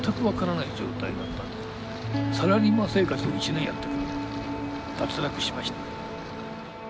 サラリーマン生活を１年やったけど脱落しました。